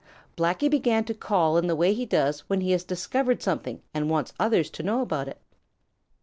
Blacky began to call in the way he does when he has discovered something and wants others to know about it.